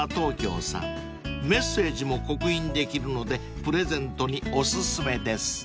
［メッセージも刻印できるのでプレゼントにお薦めです］